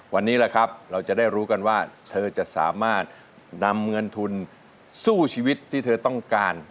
วันนี้แหละครับเราจะได้รู้กันว่าเธอจะสามารถนำเงินทุนสู้ชีวิตที่เธอต้องการ